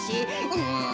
うん。